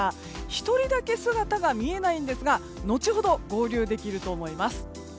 １人だけ姿が見えないんですが後ほど合流できると思います。